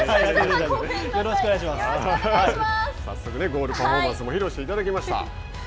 ゴールパフォーマンスも披露していただきました。